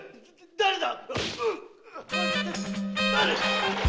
誰だ